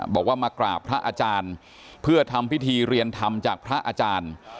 บอกว่ามากราบพระอาจารย์เพื่อทำพิธีเรียนธรรมจากพระอาจารย์